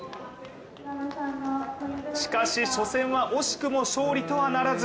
しかし初戦は惜しくも勝利とはならず。